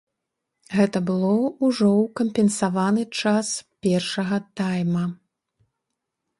Гэта было ўжо ў кампенсаваны час першага тайма.